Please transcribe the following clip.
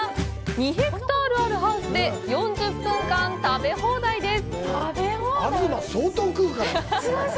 ２ヘクタールあるハウスで４０分間、取り放題です！